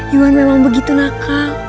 iwan memang begitu nakal